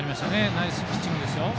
ナイスピッチングですよ。